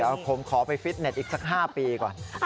เดี๋ยวผมขอไปฟิตเน็ตอีกสัก๕ปีก่อน